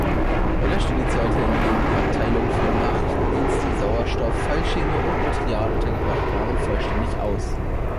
Er löschte die Zelte, in denen die Abteilungen für Nachrichtendienste, Sauerstoff, Fallschirme und Material untergebracht waren, vollständig aus.